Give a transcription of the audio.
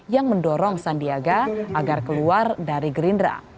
yang mendorong sandiaga agar keluar dari gerindra